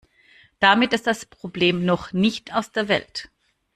Damit ist das Problem noch nicht aus der Welt.